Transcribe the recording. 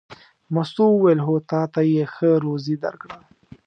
مستو وویل: هو تا ته یې ښه روزي درکړه.